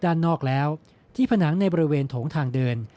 ด้านนอกแล้วที่ผนังในบริเวณโถงทางเดิน